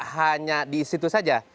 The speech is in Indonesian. hanya di situ saja